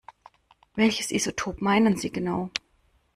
Welches Isotop meinen Sie genau?